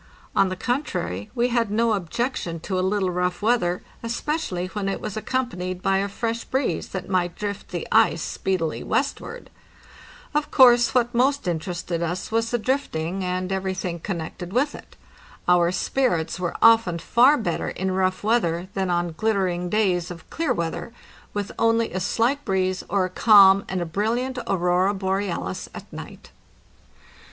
On the contrary, we had no objection to a little rough weather, especially when it was accompanied by a fresh breeze that might drift the ice speedily westward. Of course, what most interested us was the drifting and everything PETTERSEN AND BLESSING ON A HUMMOCK. APRIL, 1895 JANUARY 1 TO MAY 17, 1896 675 connected with it. Our spirits were often far better in rough weather than on glittering days of clear weather, with only a slight breeze or a calm and a brilliant aurora borealis at night.